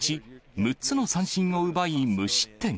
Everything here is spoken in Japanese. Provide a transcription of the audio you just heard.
６つの三振を奪い、無失点。